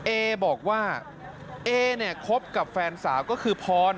เอบอกว่าเอเนี่ยคบกับแฟนสาวก็คือพร